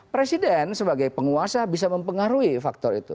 presiden sebagai penguasa bisa mempengaruhi faktor itu